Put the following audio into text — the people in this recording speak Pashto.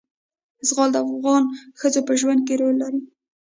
زغال د افغان ښځو په ژوند کې رول لري.